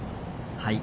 はい。